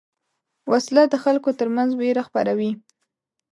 وسله د خلکو تر منځ وېره خپروي